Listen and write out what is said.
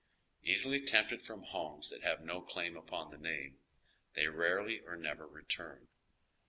Easily tempted from homes that have no claim upon the name, they rarely or never return.